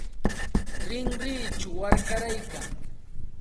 Rinrinchaw warkaraykan.